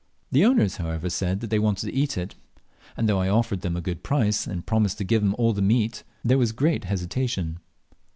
The owners, however, said they wanted to eat it; and though I offered them a good price, and promised to give them all the meat, there was grout hesitation.